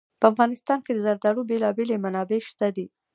په افغانستان کې د زردالو بېلابېلې منابع شته دي.